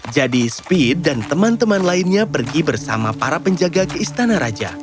jadi speed dan teman teman lainnya pergi bersama para penjaga ke istana raja